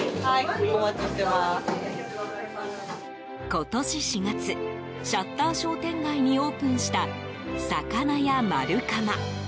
今年４月シャッター商店街にオープンしたサカナヤマルカマ。